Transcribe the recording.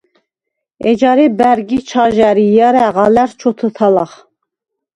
ეჯარე ბა̈რგ ი ჩაჟა̈რ ი ჲარა̈ღ ალა̈რს ჩოთჷთალახ.